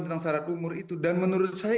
tentang syarat umur itu dan menurut saya